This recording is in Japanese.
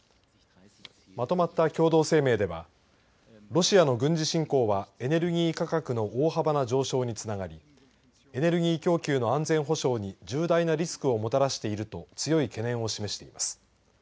まとまった共同声明ではロシアの軍事侵攻はエネルギー価格の大幅な上昇につながりエネルギー供給の安全保障に重大なリスクをもたらしていると強い懸念を示しています。